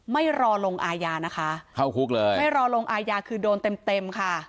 ไม่รอลงอาญานะคะเข้าคุกเลยไม่รอลงอายาคือโดนเต็มเต็มค่ะ